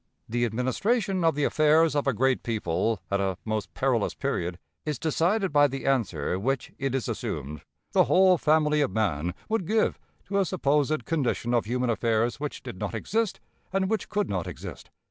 The administration of the affairs of a great people, at a most perilous period, is decided by the answer which it is assumed "the whole family of man" would give to a supposed condition of human affairs which did not exist and which could not exist.